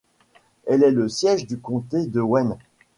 Elle est le siège du comté de Wayne.